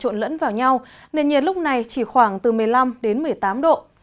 nền nhiệt lúc này chỉ khoảng từ một mươi năm đến một mươi tám độ